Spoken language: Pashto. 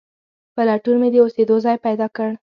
په لټون مې د اوسېدو ځای پیدا کړ.